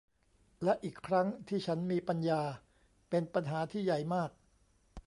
และอีกครั้งที่ฉันมีปัญญา เป็นปัญหาที่ใหญ่มาก